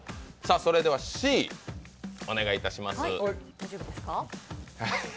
それではＣ、お願いいたします。